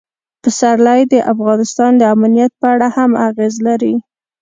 پسرلی د افغانستان د امنیت په اړه هم اغېز لري.